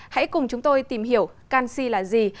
hãy cùng chúng tôi tìm hiểu canxi là gì